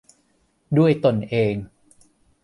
ด้วยตนเอง